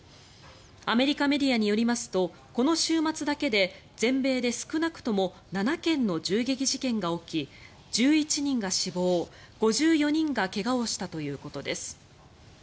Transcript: アメリカメディアによりますとこの週末だけで全米で少なくとも７件の銃撃事件が起き１１人が死亡５４人が怪我をしたということです。